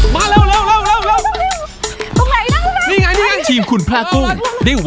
มาเร็วเร็วเร็วเร็ว